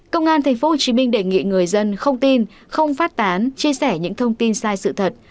công an thành phố hồ chí minh đề nghị người dân không tin không phát tán chia sẻ những thông tin sai sự thật